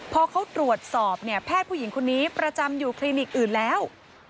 พอเขาตรวจสอบเนี่ยแพทย์ผู้หญิงคนนี้ประจำอยู่คลินิกอื่นแล้ว